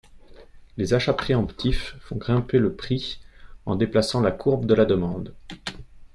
Les achats préemptifs font grimper le prix en déplaçant la courbe de la demande.